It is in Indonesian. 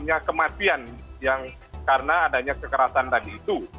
ada kematian yang karena adanya kekerasan tadi itu